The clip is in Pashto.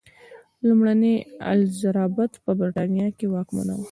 لومړۍ الیزابت په برېټانیا کې واکمنه وه.